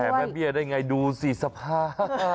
แผ่แม่เบี้ยได้อย่างไรดูสิสภาพ